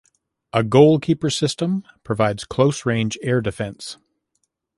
A Goalkeeper system provides close-range air defence.